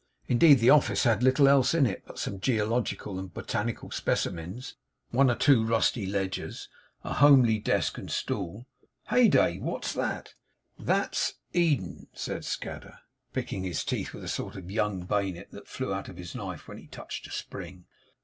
Indeed, the office had little else in it, but some geological and botanical specimens, one or two rusty ledgers, a homely desk, and a stool. 'Heyday! what's that?' 'That's Eden,' said Scadder, picking his teeth with a sort of young bayonet that flew out of his knife when he touched a spring.